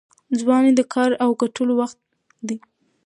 ځواني د کار او ګټلو وخت دی.